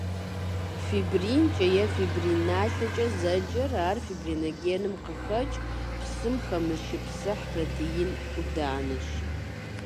Фибринкӏэ е фибрин налъэкӏэ зэджэр — ар фибриногеным къыхэкӏ, псым хэмышыпсыхь протеин ӏуданэщ.